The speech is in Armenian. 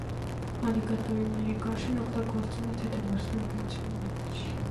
Ալիգատոևների կաշին օգտագործվում է թեթև արդյունաբերության մեջ։